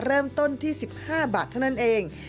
เริ่มต้นที่๑๕บาทเท่านั้นเอง